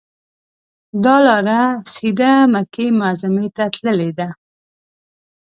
دا لاره سیده مکې معظمې ته تللې ده.